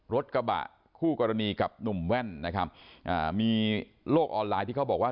รถกระบะคู่กรณีกับหนุ่มแว่นนะครับอ่ามีโลกออนไลน์ที่เขาบอกว่า